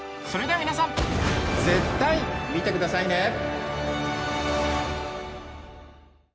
それでは皆さん絶対見てくださいね！